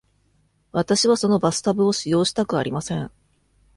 私はそのバスタブを使用したくありません。